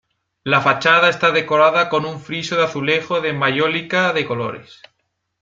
La fachada está decorada con un friso de azulejo de mayólica de colores.